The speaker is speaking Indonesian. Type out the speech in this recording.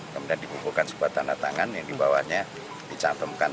kemudian dibukukan sebuah tanda tangan yang dibawanya dicantumkan